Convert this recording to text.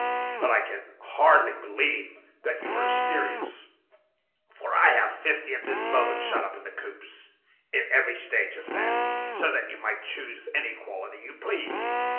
But I can hardly believe that you are serious, for I have fifty, at this moment, shut up in the coops, in every stage of fat, so that you might choose any quality you pleased.